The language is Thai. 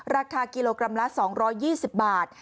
ราคากิโลกรัมละ๒๒๐บาท